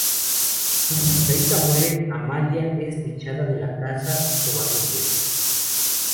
Cuando Margarita muere, Amalia es echada de la casa Covarrubias.